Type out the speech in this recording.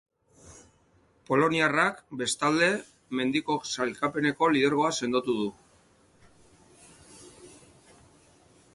Poliniarrak, bestalde, mendiko sailkapeneko lidergoa sendotu du.